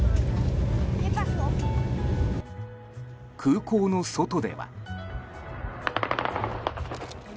空港の外では。